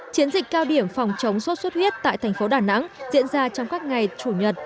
chiến dịch cao điểm phòng chống sốt xuất huyết tại thành phố đà nẵng diễn ra trong các ngày chủ nhật